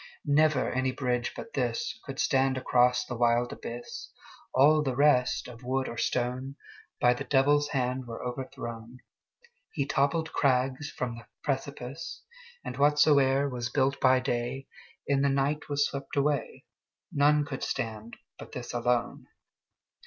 Never any bridge but thisCould stand across the wild abyss; All the rest, of wood or stone, By the Devil's hand were overthrown. He toppled crags from the precipice, And whatsoe'er was built by dayIn the night was swept away:None could stand but this alone.